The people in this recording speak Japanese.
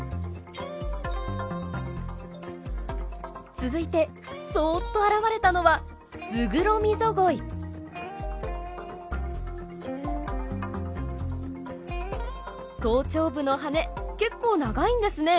続いてそっと現れたのは頭頂部の羽結構長いんですね。